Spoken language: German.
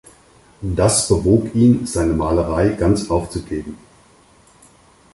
Das bewog ihn, seine Malerei ganz aufzugeben.